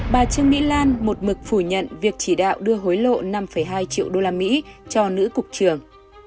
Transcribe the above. bà trương mỹ lan một mực phủ nhận việc chỉ đạo đưa hối lộ năm hai triệu usd cho nữ cục trường